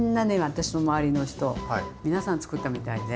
私の周りの人皆さんつくったみたいで。